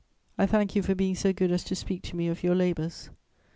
"I thank you for being so good as to speak to me of your labours.